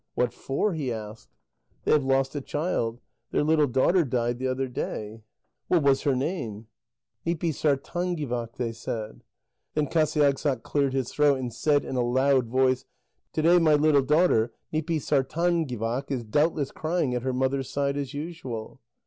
"What for?" he asked. "They have lost a child; their little daughter died the other day." "What was her name?" "Nipisartángivaq," they said. Then Qasiagssaq cleared his throat and said in a loud voice: "To day my little daughter Nipisartángivaq is doubtless crying at her mother's side as usual."